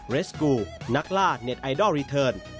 เรสกูลนักล่าเน็ตไอดอลรีเทิร์น